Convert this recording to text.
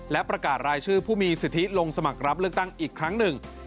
และประกาศรายชื่อผู้มีสิทธิลงสมัครรับเลือกตั้งอีกครั้งหนึ่ง